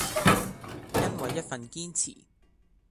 因為一份堅持